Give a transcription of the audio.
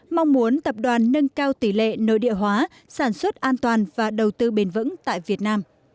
mong muốn tập đoàn nâng cao tỷ lệ nội địa hóa sản xuất an toàn và đầu tư bền vững tại việt nam